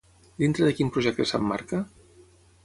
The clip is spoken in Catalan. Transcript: Dintre de quin projecte s'emmarca?